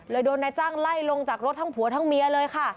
โดนนายจ้างไล่ลงจากรถทั้งผัวทั้งเมียเลยค่ะ